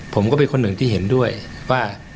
ผมก็เป็นคนหนึ่งที่เห็นด้วยว่า